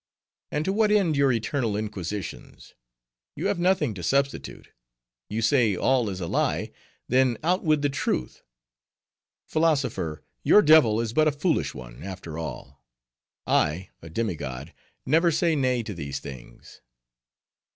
And to what end your eternal inquisitions? You have nothing to substitute. You say all is a lie; then out with the truth. Philosopher, your devil is but a foolish one, after all. I, a demi god, never say nay to these things."